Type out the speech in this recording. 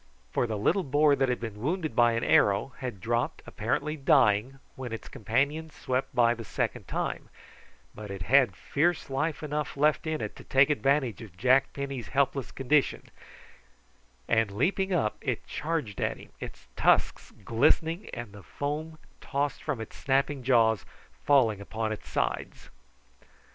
For the little boar that had been wounded by an arrow, had dropped, apparently dying, when its companions swept by the second time, but it had fierce life enough left in it to take advantage of Jack Penny's helpless condition, and leaping up it charged at him, its tusks glistening, and the foam tossed from its snapping jaws falling upon its sides.